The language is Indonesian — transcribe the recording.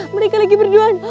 mereka lagi berduaan